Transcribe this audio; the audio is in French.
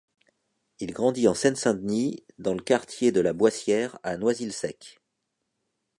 Il grandit en Seine-Saint-Denis dans le quartier de la Boissière à Noisy-le-Sec.